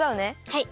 はい！